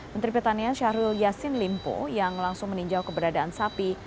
menteri pertanian syahrul yassin limpo yang langsung meninjau keberadaan sapi